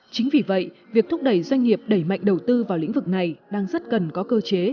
chính vì vậy việc thúc đẩy doanh nghiệp đẩy mạnh đầu tư vào lĩnh vực này đang rất cần có cơ chế